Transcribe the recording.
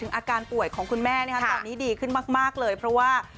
อาการป่วยของคุณแม่ตอนนี้ดีขึ้นมากเลยเพราะว่า